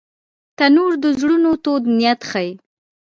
تنور د زړونو تود نیت ښيي